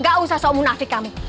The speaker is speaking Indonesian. gak usah sok munafik kamu